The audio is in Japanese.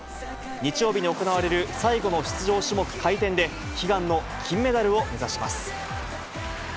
日曜日に行われる最後の出場種目、回転で、悲願の金メダルを目指します。